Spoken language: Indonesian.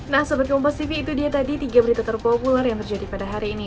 nah seperti komposisi itu dia tadi tiga berita terpopuler yang terjadi pada hari ini